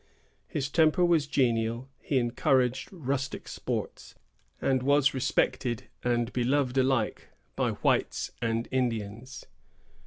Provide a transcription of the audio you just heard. His temper was genial; he encouraged rustic sports, and was respected and beloved alike by whites and Indians.